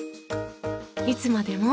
いつまでも。